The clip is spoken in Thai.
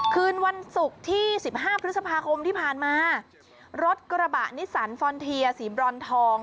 คืนวันศุกร์ที่สิบห้าพฤษภาคมที่ผ่านมารถกระบะนิสันฟอนเทียสีบรอนทอง